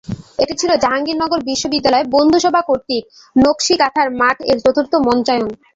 এটি ছিল জাহাঙ্গীরনগর বিশ্ববিদ্যালয় বন্ধুসভা কর্তৃক নক্সী কাঁথার মাঠ-এর চতুর্থ মঞ্চায়ন।